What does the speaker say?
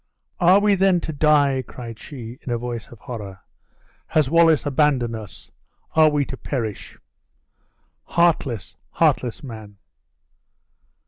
"Are we, then, to die?" cried she, in a voice of horror. "Has Wallace abandoned us? Are we to perish? Heartless heartless man!"